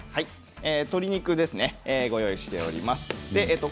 鶏肉をご用意しております。